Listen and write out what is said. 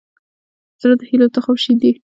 زړه د هيلو تخم شیندي.